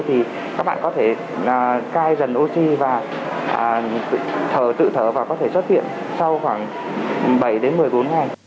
thì các bạn có thể điều trị về suy hấp và hỗ trợ bằng thẩm oxy